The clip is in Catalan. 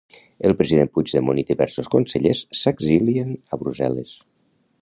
El President Puigdemont i diversos consellers s'exilien a Brussel·les